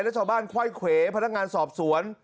และชาวบ้านไขว้เขวพนักงานสอบสวน